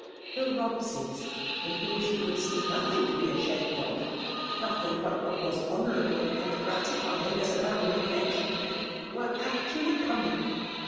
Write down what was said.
The Bobsey8> in whom she coxild fiee nothing to be ashamed oC^^nothing .but ivhat was honourable and gratifying as a family Qonn^idon^ were actually coming..